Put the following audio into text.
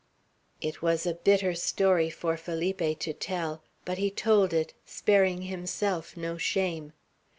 It was a bitter story for Felipe to tell; but he told it, sparing himself no shame.